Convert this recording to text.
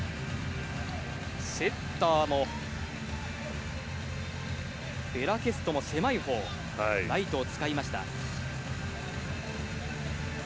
セッターのベラスケトも狭いほうライトを使いました。